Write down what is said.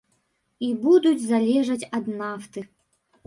І будуць залежаць ад нафты.